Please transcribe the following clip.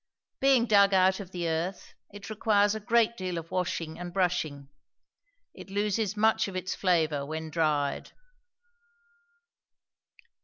Being dug out of the earth, it requires a great deal of washing and brushing. It loses much of its flavor when dried.